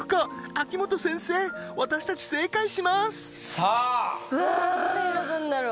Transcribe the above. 秋元先生私たち正解しますさあうわーどれ選ぶんだろう？